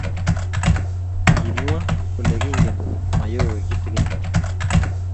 Kimwa kole kiingen mayowe kitigin kityo